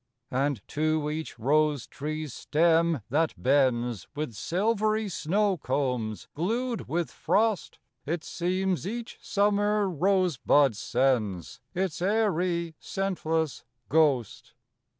And to each rose tree's stem, that bends With silvery snow combs, glued with frost, It seems each summer rosebud sends Its airy, scentless ghost.